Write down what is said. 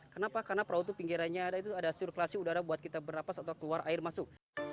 kenapa karena perahu itu pinggirannya ada itu ada sirkulasi udara buat kita bernapas atau keluar air masuk